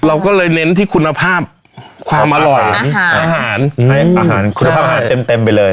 เราก็เลยเน้นที่คุณภาพความอร่อยอาหารให้อาหารคุณภาพอาหารเต็มไปเลย